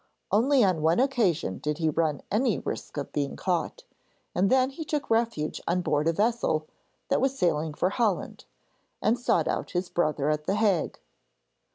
Only on one occasion did he run any risk of being caught, and then he took refuge on board a vessel that was sailing for Holland, and sought out his brother at the Hague.